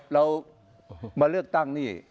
เรามาเลือกตั้งนี่